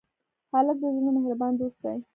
هلک د زړونو مهربان دوست دی.